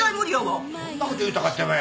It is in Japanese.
そんなこと言うたかてお前。